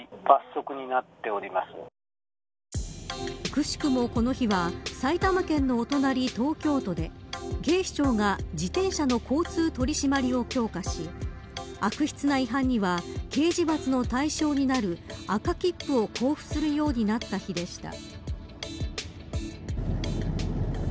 くしくもこの日は埼玉県のお隣、東京都で警視庁が自転車の交通取り締まりを強化し悪質な違反には刑事罰の対象になる赤切符を交付するようになった日でした。